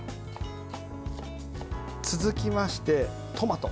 続きまして、トマト。